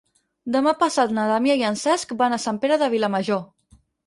Demà passat na Damià i en Cesc van a Sant Pere de Vilamajor.